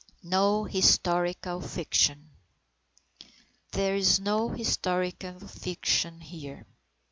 NO HISTORICAL FICTION There is no historical fiction here.